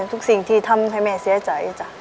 สิ่งที่ทำให้แม่เสียใจจ้ะ